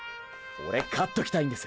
オレ勝っときたいんです。